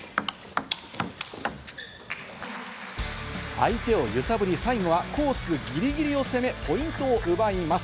相手を揺さぶり最後はコースギリギリを攻め、ポイントを奪います。